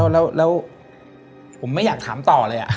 แล้วผมไม่อยากถามต่อเลย